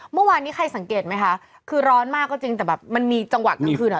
เมื่อวานนี้ใครสังเกตไหมคะคือร้อนมากก็จริงแต่แบบมันมีจังหวะกลางคืนอ่ะ